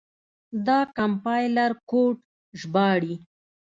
دا کمپایلر کوډ ژباړي.